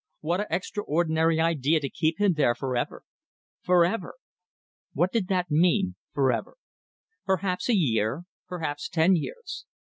What an extraordinary idea to keep him there for ever. For ever! What did that mean for ever? Perhaps a year, perhaps ten years.